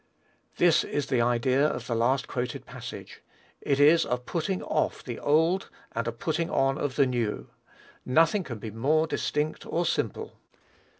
This is the idea of the last quoted passage. It is a putting off the old and a putting on of the new. Nothing can be more distinct or simple.